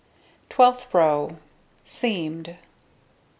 Twelfth row: Seamed.